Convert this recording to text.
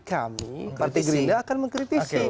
kami partai gerindra akan mengkritisi